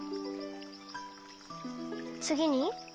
つぎに？